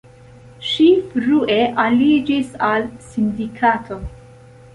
Ŝi frue aliĝis al sindikato.